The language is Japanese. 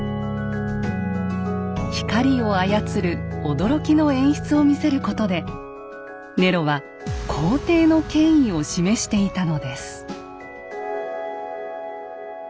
光を操る驚きの演出を見せることでネロは皇帝の権威を示していたのです。